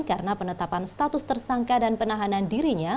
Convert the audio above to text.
karena penetapan status tersangka dan penahanan dirinya